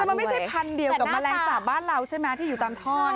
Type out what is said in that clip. มันไม่ใช่พันธุ์เดียวกับแมลงสาปบ้านเราใช่ไหมที่อยู่ตามท่อ